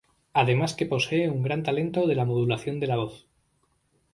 Además que posee un gran talento de la modulación de la voz.